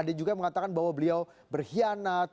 ada juga yang mengatakan bahwa beliau berkhianat